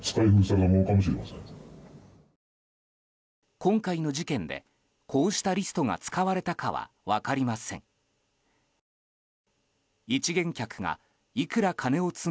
今回の事件でこうしたリストが使われたかは分かりません。